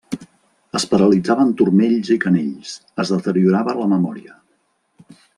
Es paralitzaven turmells i canells, es deteriorava la memòria.